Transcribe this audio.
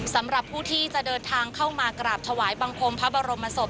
สำหรับผู้ที่จะเดินทางเข้ามากราบถวายบังคมพระบรมศพ